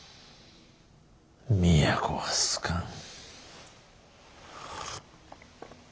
都は好かん。